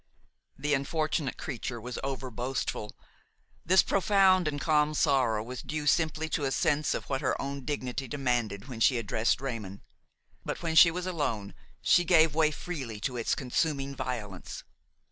The unfortunate creature was over boastful. This profound and calm sorrow was due simply to a sense of what her own dignity demanded when she addressed Raymon; but, when she was alone, she gave way freely to its consuming violence.